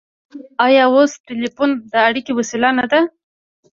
آیا اوس ټیلیفون د اړیکې وسیله نه ده؟